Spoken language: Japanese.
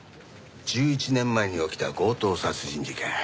１１年前に起きた強盗殺人事件。